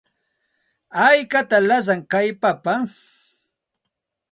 ¿Haykataq lasan kay papa?